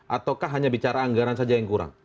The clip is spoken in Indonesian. ataukah hanya bicara anggaran saja yang kurang